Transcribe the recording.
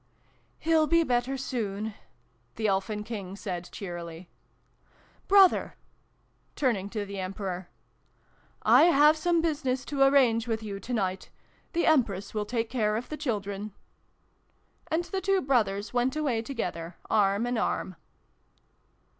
" He'll be better soon !" the Elfin King said cheerily. " Brother !" turning to the Emperor, " I have some business to arrange with you to night. The Empress will take care of the children." And the two Brothers went away together, arm in arm.